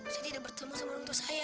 saya tidak bertemu sama orang tua saya